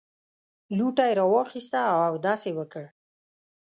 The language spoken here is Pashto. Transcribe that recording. لوټه یې راواخیسته او اودس یې وکړ.